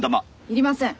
いりません。